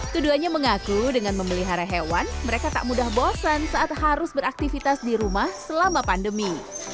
keduanya mengaku dengan memelihara hewan mereka tak mudah bosan saat harus beraktivitas di rumah selama pandemi